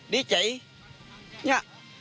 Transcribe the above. ดีใจ